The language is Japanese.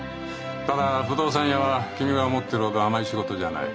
ただ不動産屋は君が思ってるほど甘い仕事じゃない。